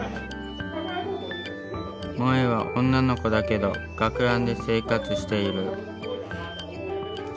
もえは女の子だけど学ランで生活している。